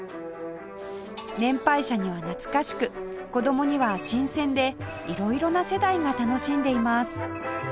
年配者には懐かしく子供には新鮮で色々な世代が楽しんでいます